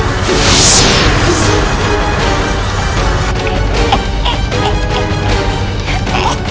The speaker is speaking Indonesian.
aku harus menggunakan ajem pabuk kasku